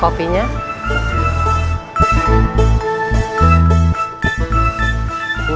kamu pengen li degree